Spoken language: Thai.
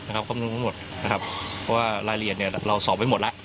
ขอให้มีการสอบสนโดยโดยโดยครอบคลุมทั้งหมดนะครับว่ารายละเอียดเนี้ยเราสอบไว้หมดละ